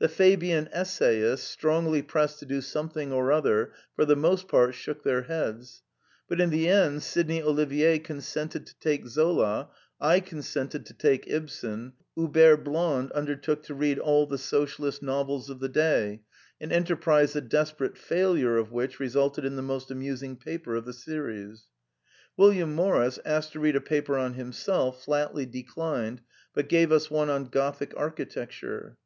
The Fabian Essayists, strongly pressed to do '* something or other," for the most part shook their heads; but in the end Sydney Olivier consented to " take Zola "; I con sented to *' take Ibsen ''; and Hubert Bland un dertook to read all the Socialist novels of the day, an enterprise the desperate failure of which re sulted in the most amusing paper of the series. William Morris, asked to read a paper on him self, flatly declined, but gave us one on Gothic Architecture.